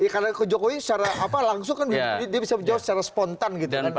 karena kay jokowi secara langsung kan dia bisa menjawab secara spontan gitu kan